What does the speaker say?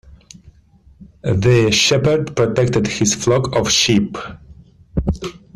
The shepherd protected his flock of sheep.